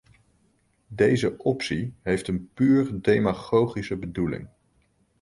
Deze optie heeft een puur demagogische bedoeling.